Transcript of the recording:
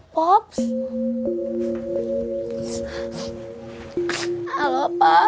pada saat datang metalik